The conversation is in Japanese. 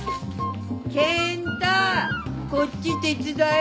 ケン太こっち手伝え。